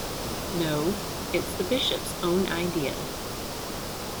No, it's the Bishop's own idea.